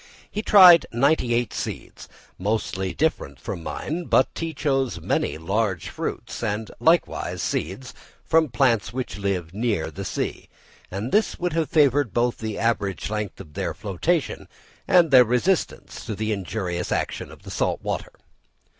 He tried ninety eight seeds, mostly different from mine, but he chose many large fruits, and likewise seeds, from plants which live near the sea; and this would have favoured both the average length of their flotation and their resistance to the injurious action of the salt water.